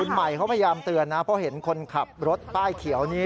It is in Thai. ใหม่เขาพยายามเตือนนะเพราะเห็นคนขับรถป้ายเขียวนี้